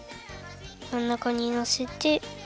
まんなかにのせて。